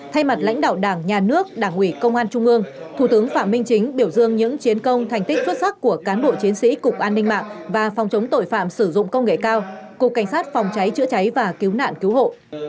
thay mặt lãnh đạo đảng nhà nước đảng ủy công an trung ương thủ tướng phạm minh chính biểu dương những chiến công thành tích xuất sắc của cán bộ chiến sĩ cục an ninh mạng và phòng chống tội phạm sử dụng công nghệ cao cục cảnh sát phòng cháy chữa cháy và cứu nạn cứu hộ